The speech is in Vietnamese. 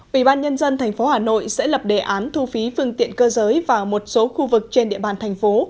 ủy ban nhân dân tp hà nội sẽ lập đề án thu phí phương tiện cơ giới vào một số khu vực trên địa bàn thành phố